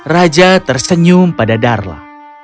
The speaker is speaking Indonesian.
raja tersenyum pada darla